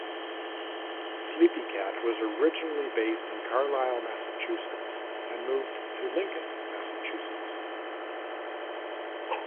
Sleepycat was originally based in Carlisle, Massachusetts and moved to Lincoln, Massachusetts.